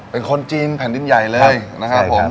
เป็นคนจีนแผ่นดินใหญ่เลยนะครับผม